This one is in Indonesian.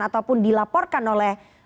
ataupun dilaporkan oleh